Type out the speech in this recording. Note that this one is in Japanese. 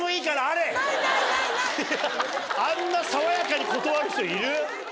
あんな爽やかに断る人いる？